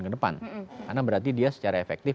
ke depan karena berarti dia secara efektif